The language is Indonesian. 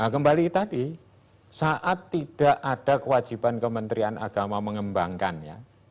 kembali ke tadi saat tidak ada kewajiban kementerian agama mengembangkannya